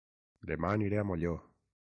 Dema aniré a Molló